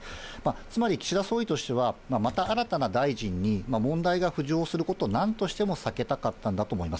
つまり、岸田総理としては、また新たな大臣に問題が浮上することをなんとしても避けたかったんだと思います。